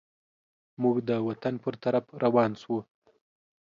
موږ د وطن پر طرف روان سوو.